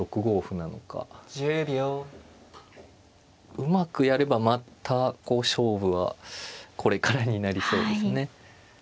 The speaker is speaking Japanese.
うまくやればまた勝負はこれからになりそうですね。